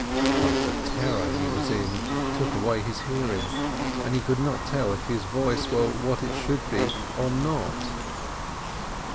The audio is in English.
But the terror he was in took away his hearing, and he could not tell if his voice were what it should be or not.